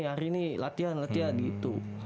hari ini latihan latihan gitu